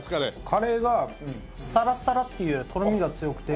カレーがサラサラっていうよりとろみが強くて。